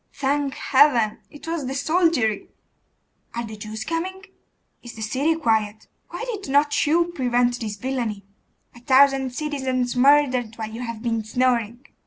Thank Heaven! it was the soldiery. 'Are the Jews coming?' 'Is the city quiet?' 'Why did not you prevent this villainy?' 'A thousand citizens murdered while you have been snoring!